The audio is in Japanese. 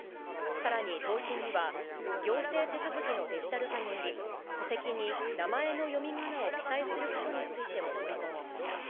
さらに答申には、行政手続きのデジタル化により、戸籍に名前の読みがなを記載することについても盛り込まれました。